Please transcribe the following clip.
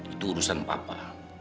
itu urusan papa